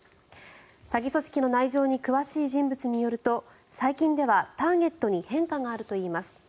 詐欺組織の内情に詳しい人物によると最近ではターゲットに変化があるといいます。